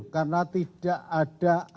karena tidak ada aktivitas